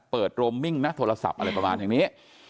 โรมมิ่งนะโทรศัพท์อะไรประมาณอย่างนี้